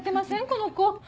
この子。